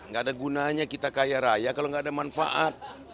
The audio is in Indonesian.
gak ada gunanya kita kaya raya kalau nggak ada manfaat